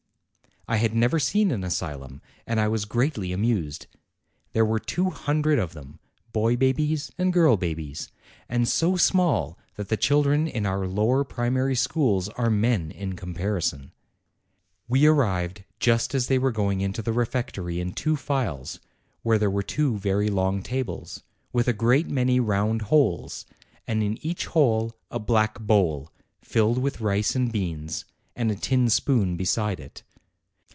I had never seen an asylum and I was greatly amused ! There were two hundred of them, boy babies and girl babies, and so small that the children in our lower primary schools are men in comparison. We arrived just as they were going into the refect ory in two files, where there were two very long tables, with a great many round holes, and in each hole a black bowl filled with rice and beans, and a tin spoon beside it.